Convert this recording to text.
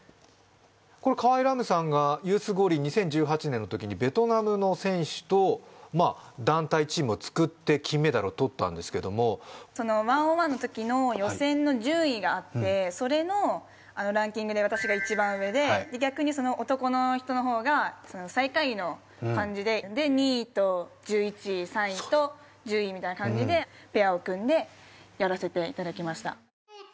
これ河合来夢さんがユース五輪２０１８年のときにベトナムの選手と団体チームを作って金メダルを取ったんですけども１ｏｎ１のときの予選の順位があってそれのランキングで私が一番上で逆にその男の人の方が最下位の感じで２位と１１位３位と１０位みたいな感じでペアを組んでやらせていただきました